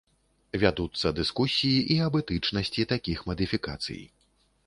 Вядуцца дыскусіі і аб этычнасці такіх мадыфікацый.